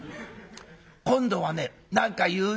今度はね何か言うよ。